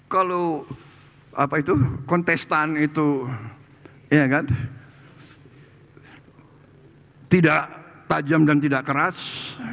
kalau kontestan itu tidak tajam dan tidak keras